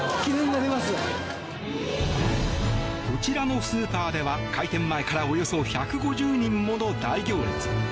こちらのスーパーでは開店前からおよそ１５０人もの大行列。